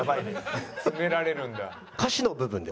詰められるんだ。